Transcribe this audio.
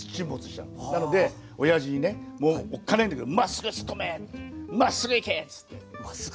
なのでおやじにねもうおっかねぇんだけど「まっすぐ突っ込め！」って「まっすぐ行け！」っつって。